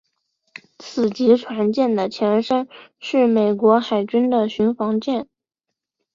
此级船舰的前身是美国海军的巡防舰。